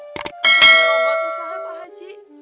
ntar lo nggak usah pak haji